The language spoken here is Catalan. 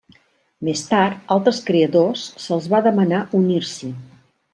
Més tard, altres creadors se’ls va demanar unir-s'hi.